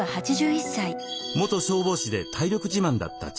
元消防士で体力自慢だった父。